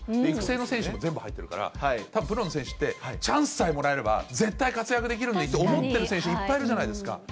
育成の選手も全部入っているから、プロの選手って、チャンスさえもらえれば絶対、活躍できるのにって思ってる選手もいっぱいいるじゃないですか。